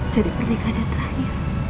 jadi pernikahan terakhir